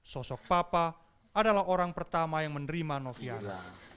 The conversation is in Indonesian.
sosok papa adalah orang pertama yang menerima novi ana